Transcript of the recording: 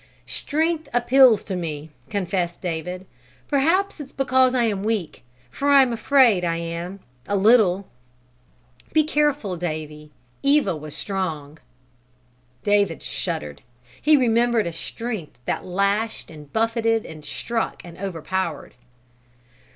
"Strength appeals to me," confessed David. "Perhaps it's because I am weak; for I'm afraid I am, a little!" "Be careful, Davy! Eva was strong!" David shuddered. He remembered a strength that lashed and buffeted and struck and overpowered.